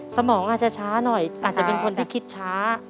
สมองอาจจะช้าหน่อยอาจจะเป็นคนที่คิดช้า